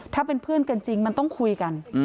ถ้าเป็นเพื่อนกันจริงมันต้องคุยกัน